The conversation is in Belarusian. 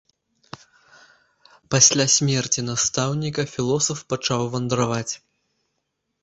Пасля смерці настаўніка філосаф пачаў вандраваць.